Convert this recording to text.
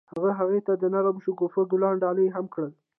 هغه هغې ته د نرم شګوفه ګلان ډالۍ هم کړل.